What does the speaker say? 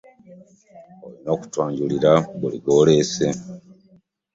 Olina okutwanjulira buli gw'oleese.